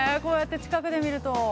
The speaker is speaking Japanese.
こうやって近くで見ると。